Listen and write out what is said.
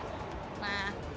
kamu pengen kayak gitu